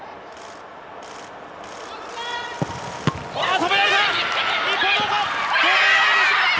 止められた！